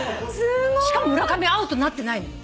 しかも村上アウトになってないのよ。